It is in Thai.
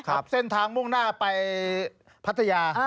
เส้นทางมุ่งหน้าไปพัทยา